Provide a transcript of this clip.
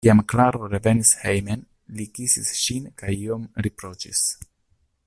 Kiam Klaro revenis hejmen, li kisis ŝin kaj iom riproĉis.